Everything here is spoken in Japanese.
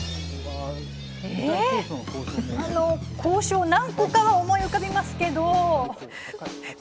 ええ、何個かは思い浮かびますけど。